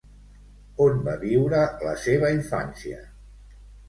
On va viure la seva infància?